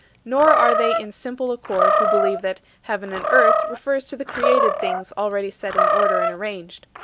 Nor are they in simple accord who believe that "heaven and earth" refers to the created things already set in order and arranged.